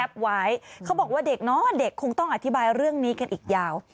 เขาบอกว่าเด็กน้อยเด็กคงต้องอธิบายเรื่องนี้กันอีกยาว